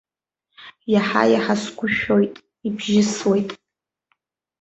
Иаҳа-иаҳа сгәы шәоит, ибжьысуеит.